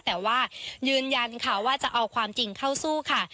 แต่ว่ายืนยันค่ะว่าจะเอาความจริงเข้าสู้ค่ะ